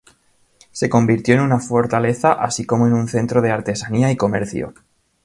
Se convirtió en una fortaleza así como en un centro de artesanía y comercio.